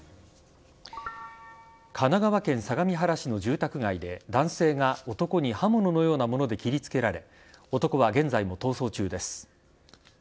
神奈川県相模原市の住宅街で男性が男に刃物のようなもので切りつけられ男は現在も逃走中です。